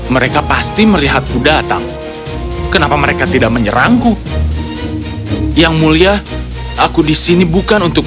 mereka pasti melihat kudatang kenapa mereka tidak menyeramku yang mulia aku di sini bukan untuk